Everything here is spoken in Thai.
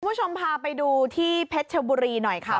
คุณผู้ชมพาไปดูที่เพชรชบุรีหน่อยค่ะ